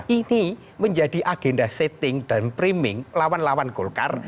ini menjadi agenda setting dan priming lawan lawan golkar